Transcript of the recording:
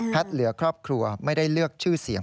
เหลือครอบครัวไม่ได้เลือกชื่อเสียง